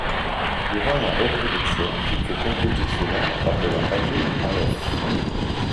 Durant la reproduction, il faut compléter cela par de la pâtée à l'œuf.